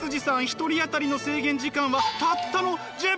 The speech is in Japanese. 一人あたりの制限時間はたったの１０分。